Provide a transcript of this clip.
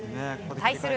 対する